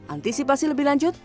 antisipasi lebih lanjut